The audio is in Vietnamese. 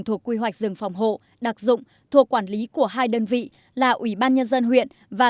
thuộc quy hoạch rừng phòng hộ đặc dụng thuộc quản lý của hai đơn vị là ủy ban nhân dân huyện và